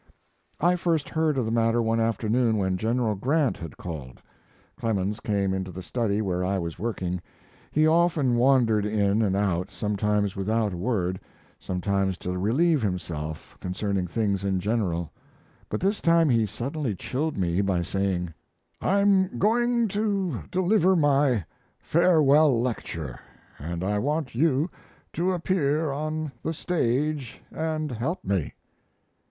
I first heard of the matter one afternoon when General Grant had called. Clemens came into the study where I was working; he often wandered in and out sometimes without a word, sometimes to relieve himself concerning things in general. But this time he suddenly chilled me by saying: "I'm going to deliver my farewell lecture, and I want you to appear on the stage and help me."